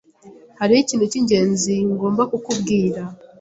Hariho ikintu cyingenzi ngomba kukubwira.